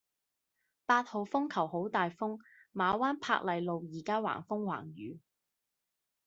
八號風球好大風，馬灣珀麗路依家橫風橫雨